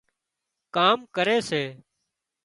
ڪام ڪري سي